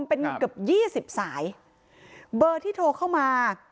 เป็นเงินเกือบ๒๐สายเบอร์ที่โทรเข้ามา